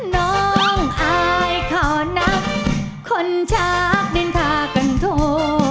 น้องอ้ายขอนับคนชาติเดินทางกันทั่ว